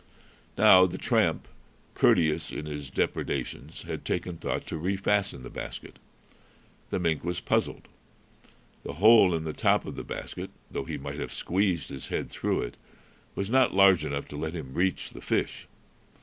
Now, the tramp, courteous in his depredations, had taken thought to refasten the basket. The mink was puzzled. The hole in the top of the basket, though he might have squeezed his head through it, was not large enough to let him reach the fish.